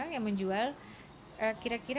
yang menjual kira kira